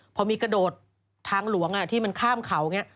พอมีกระโดดทางหลวงที่มันข้ามเขาอย่างนี้